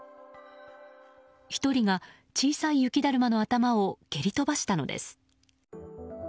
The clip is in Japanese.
１人が小さい雪だるまの頭を蹴り飛ばしたのです。